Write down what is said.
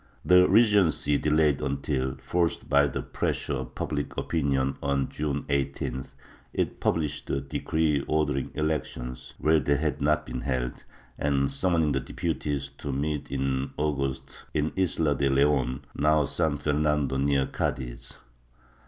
The Regency delayed until, forced by the pressure of public opin ion, on June 18th it published a decree ordering elections where they had not been held, and summoning the deputies to meet in August in Isla de Leon, now San Fernando, near Cadiz.